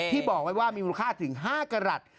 บอกไว้ว่ามีมูลค่าถึง๕กรัฐ